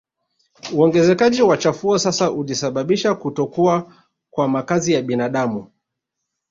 Uongezekaji wa chafuo sasa ulisababisha kutokuwa kwa makazi ya binadamu